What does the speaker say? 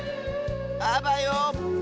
あばよ！